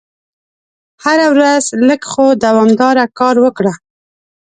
هره ورځ لږ خو دوامداره کار وکړه.